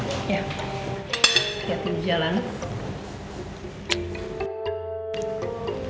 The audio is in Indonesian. hati hati di jalan